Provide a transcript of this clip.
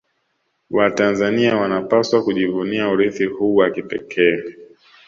watanzania wanapaswa kujivunia urithi huu wa kipekee